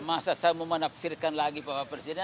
masa saya mau menafsirkan lagi bapak presiden